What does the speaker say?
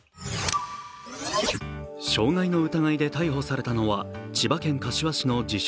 傷害の疑いで逮捕されたのは、千葉県柏市の自称・